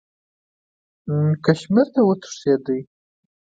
کشمیر ته وتښتېدی.